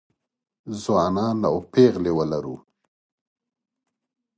ځوانان او پېغلې ولرو